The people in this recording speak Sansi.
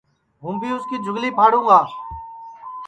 ہوں بھی اُس کی جُھگلی پھاڑوں گا